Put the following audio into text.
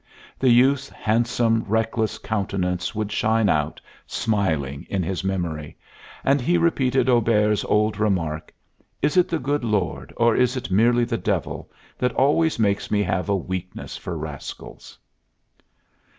The youth's handsome, reckless countenance would shine out, smiling, in his memory, and he repeated Auber's old remark, "Is it the good Lord, or is it merely the devil, that always makes me have a weakness for rascals?"